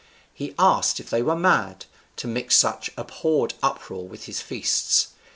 He asked if they were mad, to mix such abhorred uproar with his feasts.